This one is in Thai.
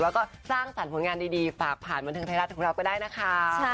แล้วก็สร้างสรรค์ผลงานดีฝากผ่านบันเทิงไทยรัฐของเราก็ได้นะคะ